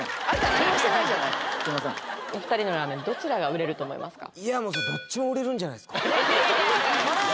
お二人のラーメンどちらが売れると思いますか？